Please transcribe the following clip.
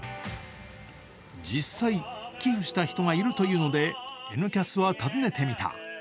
実際、寄付した人が入るというので「Ｎキャス」は訪ねてみた。